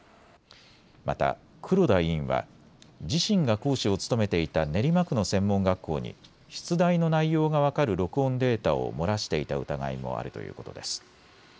また黒田委員は自身が講師を務めていた練馬区の専門学校に出題の内容が分かる録音データを漏らしていた疑いもあるということです。